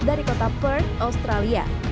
dari kota perth australia